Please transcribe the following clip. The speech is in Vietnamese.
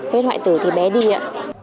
vết hoại tử thì bé đi ạ